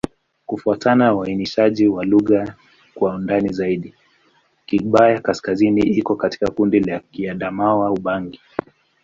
Kufuatana na uainishaji wa lugha kwa ndani zaidi, Kigbaya-Kaskazini iko katika kundi la Kiadamawa-Ubangi.